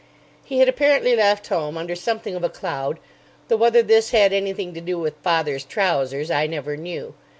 He had apparently left home under something of a cloud, though whether this had anything to do with "father's trousers" I never knew.